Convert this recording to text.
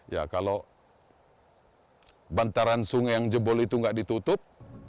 ya kalau bantaran sungai yang jebol itu nggak ditutup